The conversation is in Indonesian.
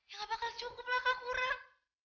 ya gak bakal cukup lah kak kurang